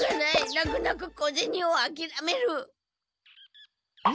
なくなく小ゼニをあきらめる。